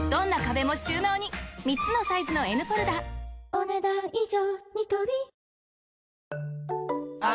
お、ねだん以上。